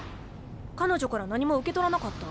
彼女から何も受け取らなかった？